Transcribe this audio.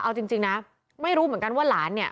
เอาจริงนะไม่รู้เหมือนกันว่าหลานเนี่ย